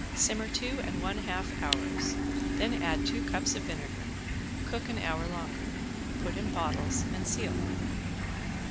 Simmer two and one half hours, then add two cups of vinegar, cook an hour longer. Put in bottles and seal.